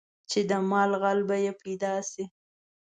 چې د مال غل به یې پیدا شي.